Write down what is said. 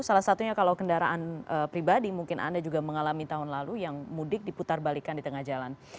salah satunya kalau kendaraan pribadi mungkin anda juga mengalami tahun lalu yang mudik diputar balikan di tengah jalan